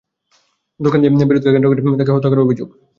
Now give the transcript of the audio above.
দোকান নিয়ে বিরোধকে কেন্দ্র করে তাঁকে হত্যা করার অভিযোগ পাওয়া গেছে।